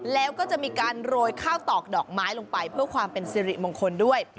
แล้วก็จะมีการโรยข้าวตอกดอกไม้ลงไปเพื่อความเป็นสิริมงคลด้วย